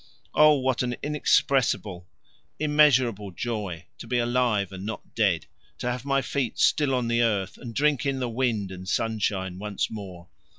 Oh what an inexpressible, immeasurable joy to be alive and not dead, to have my feet still on the earth, and drink in the wind and sunshine once more!